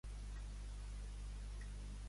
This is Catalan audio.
Sobre què ha qüestionat Ishaan a Raül?